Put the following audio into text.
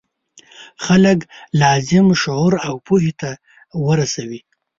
خلک لازم شعور او پوهې ته ورسوي.